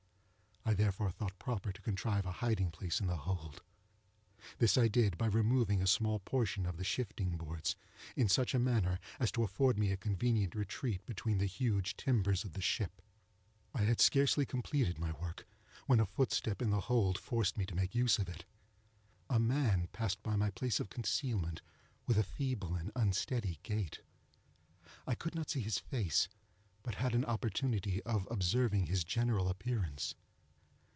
I therefore thought proper to contrive a hiding place in the hold. This I did by removing a small portion of the shifting boards, in such a manner as to afford me a convenient retreat between the huge timbers of the ship. I had scarcely completed my work, when a footstep in the hold forced me to make use of it. A man passed by my place of concealment with a feeble and unsteady gait. I could not see his face, but had an opportunity of observing his general appearance.